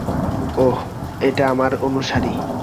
ওহ, এটা আমার অনুসারী।